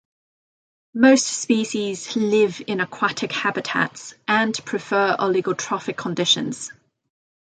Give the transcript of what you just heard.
Most species live in aquatic habitats and prefer oligotrophic conditions.